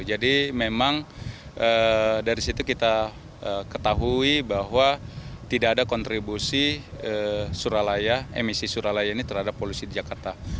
jadi memang dari situ kita ketahui bahwa tidak ada kontribusi emisi suralaya ini terhadap polusi di jakarta